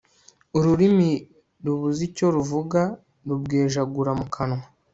ururimi rubuze icyo ruvuga rubwejagura mu kanwa